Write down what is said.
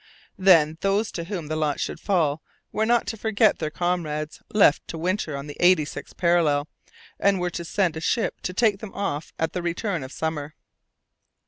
Then, those to whom the lot should fall were not to forget their comrades, left to winter on the eighty sixth parallel, and were to send a ship to take them off at the return of summer.